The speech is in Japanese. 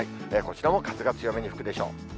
こちらも風が強めに吹くでしょう。